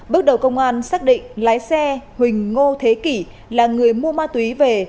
bước đầu công an xác định lái xe huỳnh ngô thế kỷ là người mua ma túy về